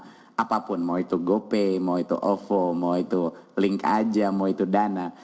untuk apapun mau itu gopay mau itu ovo mau itu link aja mau itu dana